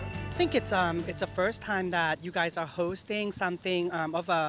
saya pikir ini adalah pertama kali kalian mengundang sesuatu yang di luar